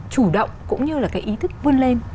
chủ động cũng như là cái ý thức vươn lên